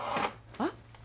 あっ！